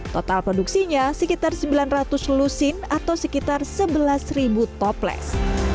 total produksinya sekitar sembilan ratus lusin atau sekitar sebelas toples